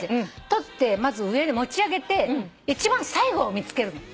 取ってまず上で持ち上げて一番最後を見つけるの。